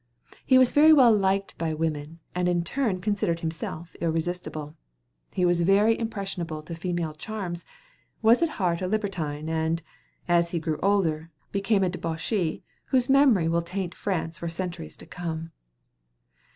He was very well liked by women, and in turn considered himself irresistible. He was very impressionable to feminine charms, was at heart a libertine, and, as he grew older, became a debauchee whose memory will taint France for centuries to come.